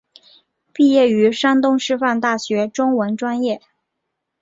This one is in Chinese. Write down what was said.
毕业于山东师范大学中文专业。